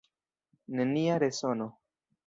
Nenia resono.